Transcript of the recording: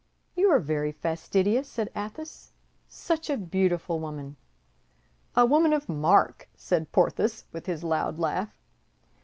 "You are very fastidious," said Athos; "such a beautiful woman!" "A woman of mark!" said Porthos, with his loud laugh.